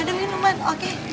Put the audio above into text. ada minuman oke